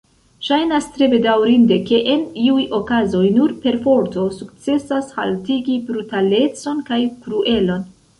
Ŝajnas tre bedaŭrinde, ke en iuj okazoj nur perforto sukcesas haltigi brutalecon kaj kruelon.